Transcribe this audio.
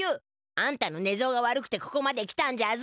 あんたの寝相が悪くてここまで来たんじゃぞ。